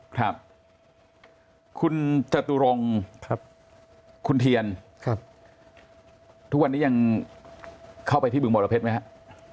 ครับคุณจตุรงค์คุณเทียนทุกวันนี้ยังเข้าไปที่บึงมรเพชรไหมครับ